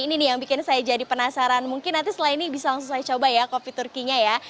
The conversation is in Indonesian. ini nih yang bikin saya jadi penasaran mungkin nanti setelah ini bisa langsung saya coba ya kopi turkinya ya